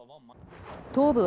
東部